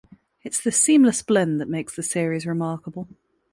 It’s this seamless blend that makes the series remarkable.